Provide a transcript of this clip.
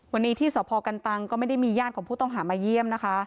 วันนี้ที่สพกันตังก็ไม่ได้มีญาติของผู้ต้องหามาเยี่ยมนะคะ